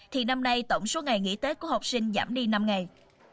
thì năm nay tổng số ngày nghỉ tết của học sinh giảm đi năm ngày